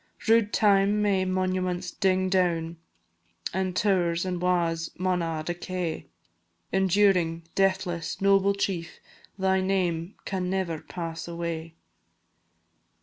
Rude Time may monuments ding doun, An' tow'rs an' wa's maun a' decay; Enduring, deathless, noble chief, Thy name can never pass away!